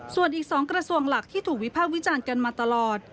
ส่วนอีก๒กระทรวงหลักที่ถูกวิภาควิจารณ์กันมาตลอด